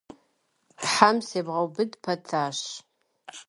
Хьэм себгъэубыд пэтащ.